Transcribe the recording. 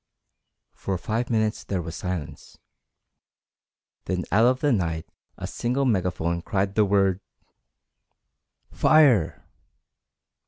For five minutes there was silence. Then out of the night a single megaphone cried the word: "_Fire!